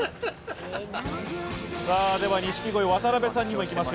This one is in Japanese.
では錦鯉・渡辺さんにも行きます。